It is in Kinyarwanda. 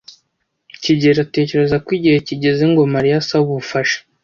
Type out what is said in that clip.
kigeli atekereza ko igihe kigeze ngo Mariya asabe ubufasha.